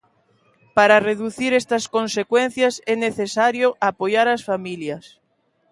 Para reducir estas consecuencias, é necesario apoiar as familias.